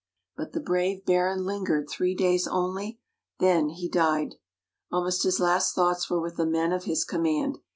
But the brave Baron lingered three days only, then he died. Almost his last thoughts were with the men of his command.